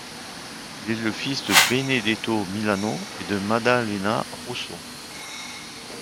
Il est le fils de Benedetto Milano et de Maddalena Russo.